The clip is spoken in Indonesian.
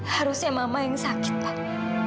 harusnya mama yang sakit